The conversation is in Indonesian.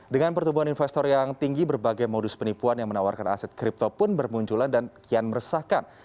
dengan pertumbuhan investor yang tinggi berbagai modus penipuan yang menawarkan aset kripto pun bermunculan dan kian meresahkan